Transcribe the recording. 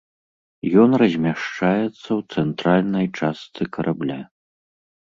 Ён размяшчаецца ў цэнтральнай частцы карабля.